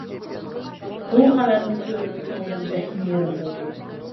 بۇ خەۋەرنى كۆرۈپ كۆڭلۈم بەكمۇ يېرىم بولدى.